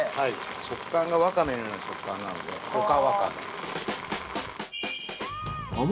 食感がワカメのような食感なのでオカワカメ。